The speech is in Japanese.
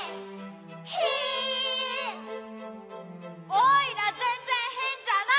「おいらぜんぜんへんじゃない」